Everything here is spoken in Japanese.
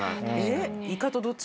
えっ？